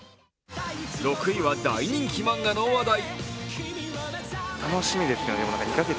６位は大人気漫画の話題。